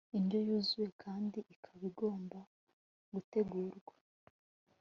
indyo yuzuye kandi ikaba igomba gutegurwa